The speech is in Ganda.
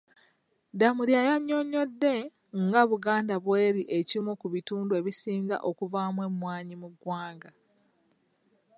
Damulira yannyonnyodde nga Buganda bw'eri ekimu ku bitundu ebisinga okuvaamu emmwanyi mu ggwanga.